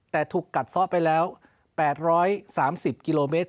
แต่ถูกกัดซ้อไปแล้ว๘๓๐กิโลเมตร